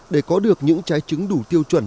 để có được những trái trứng đủ tiêu chuẩn